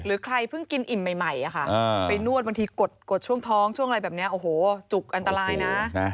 ใครเพิ่งกินอิ่มใหม่ไปนวดบางทีกดช่วงท้องช่วงอะไรแบบนี้โอ้โหจุกอันตรายนะ